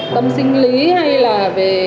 tâm sinh lý hay là về